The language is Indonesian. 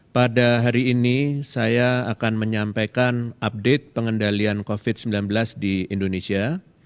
pada hari ini saya akan menyampaikan update pengendalian covid sembilan belas di indonesia